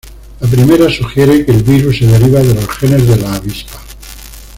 La primera sugiere que el virus se deriva de los genes de la avispa.